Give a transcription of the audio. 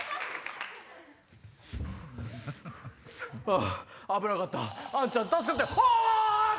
あ危なかったあんちゃん助かったよ。